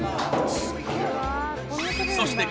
そして